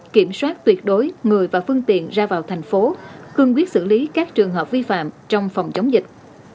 kiểm soát tuyệt đối người và phương tiện ra vào thành phố cương quyết xử lý các trường hợp vi phạm trong phòng chống dịch